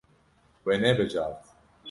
We nebijart.